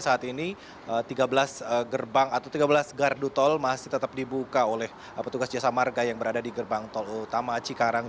saat ini tiga belas gerbang atau tiga belas gardu tol masih tetap dibuka oleh petugas jasa marga yang berada di gerbang tol utama cikarang